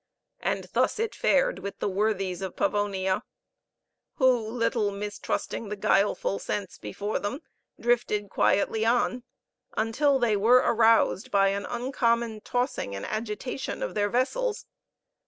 And thus it fared with the worthies of Pavonia, who, little mistrusting the guileful sense before them, drifted quietly on, until they were aroused by an uncommon tossing and agitation of their vessels.